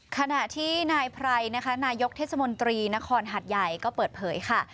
ขณะที่นายไพรนะคะนายกเทศมนตรีนครหัดใหญ่ก็เปิดเผยค่ะ